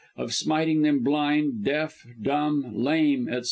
of smiting them blind, deaf, dumb, lame, etc.